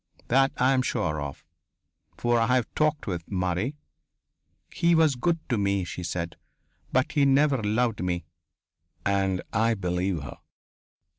That I am sure of, for I have talked with Marie. "He was good to me," she said. "But he never loved me." And I believe her.